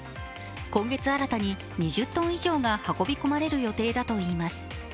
今月新たに２０ｔ以上が運び込まれる予定だといいます。